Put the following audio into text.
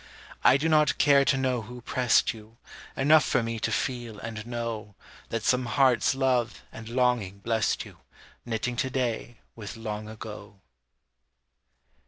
I do not care to know who prest you: Enough for me to feel and know That some heart's love and longing blest you, Knitting to day with long ago.